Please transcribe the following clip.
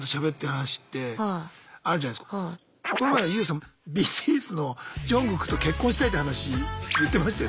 この前ＹＯＵさんＢＴＳのジョングクと結婚したいって話言ってましたよ